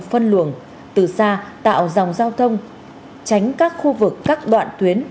phân luồng từ xa tạo dòng giao thông tránh các khu vực các đoạn tuyến